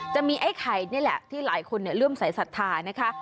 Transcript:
จะมีไอ้ไข่นี่แหละที่หลายคนเริ่มสายศรัทธานะคะ